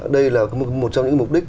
đây là một trong những mục đích